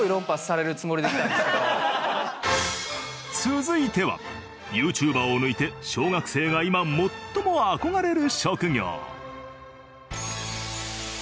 僕続いてはＹｏｕＴｕｂｅｒを抜いて小学生が今最も憧れる職業。